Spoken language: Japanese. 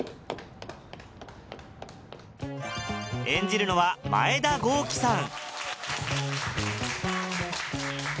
演じるのは前田公輝さん